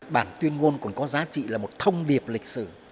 bản tuyên ngôn còn có giá trị là một thông điệp lịch sử